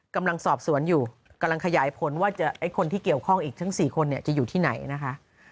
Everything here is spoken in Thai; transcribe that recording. กำลังสอบสวนอยู่กำลังขยายผลว่าไอ้คนที่เกี่ยวข้องอีกทั้ง๔คนเนี่ยจะอยู่ที่ไหนนะคะ